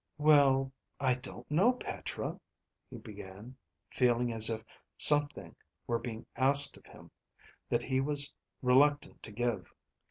"Well, I don't know, Petra," he began, feeling as if something were being asked of him that he was reluctant to give.